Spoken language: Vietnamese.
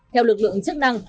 theo lực lượng chức năng